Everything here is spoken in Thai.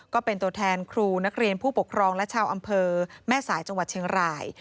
ก็เป็นตัวแทนครูนักเรียนผู้ปกครองและชาวอำเภอแม่สายจังหวัดเชียงราย